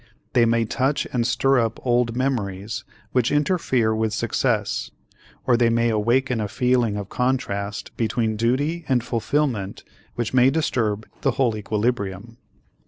They may touch and stir up old memories which interfere with success or they may awaken a feeling of contrast between duty and fulfillment which may disturb the whole equilibrium.